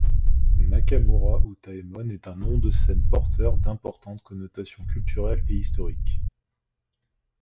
Nakamura Utaemon est un nom de scène porteur d'importantes connotations culturelles et historiques.